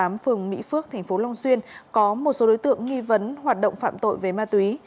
phường mỹ phước tp long xuyên có một số đối tượng nghi vấn hoạt động phạm tội về ma túy